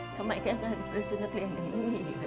ทำไมแค่ต้องการซื้อชุดนักเรียนหนึ่งไม่มี